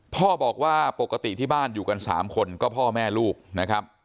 พ่อบอกว่าปกติที่บ้านอยู่กัน๓คนก็พ่อแม่ลูกนะครับ